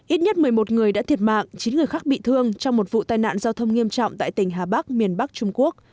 ít nhất một mươi một người đã thiệt mạng chín người khác bị thương trong một vụ tai nạn giao thông nghiêm trọng tại tỉnh hà bắc miền bắc trung quốc